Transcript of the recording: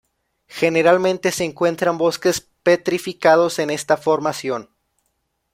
Generalmente se encuentran bosques petrificados en esta formación.